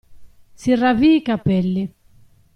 Si ravvii i capelli!